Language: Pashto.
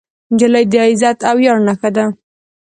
نجلۍ د عزت او ویاړ نښه ده.